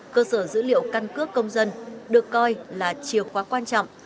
cơ sở dữ liệu căn cước công dân được coi là chiều khóa quan trọng